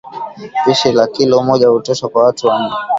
Pishi la kilo moja hutosha kwa watu nne